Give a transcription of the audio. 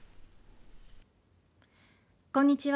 こんにちは。